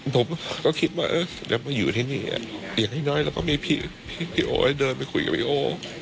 ผมก็คิดว่าเออเดี๋ยวมาอยู่ที่นี่อย่างน้อยเราก็มีพี่โอ๊ยเดินไปคุยกับพี่โอ